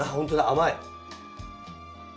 甘い！